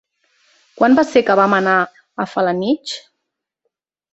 Quan va ser que vam anar a Felanitx?